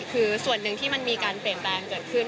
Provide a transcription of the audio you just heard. คือส่วนหนึ่งที่มันมีการเปลี่ยนแปลงเกิดขึ้น